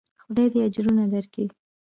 خداى دې اجرونه درکي.